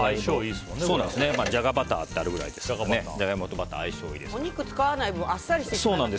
じゃがバターってあるぐらいですからジャガイモとバターお肉使わない分そうですね、